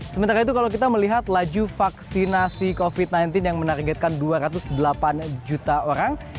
sementara itu kalau kita melihat laju vaksinasi covid sembilan belas yang menargetkan dua ratus delapan juta orang